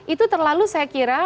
itu terlalu saya kira